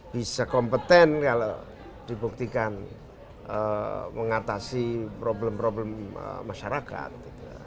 bisa kompeten kalau dibuktikan mengatasi problem problem masyarakat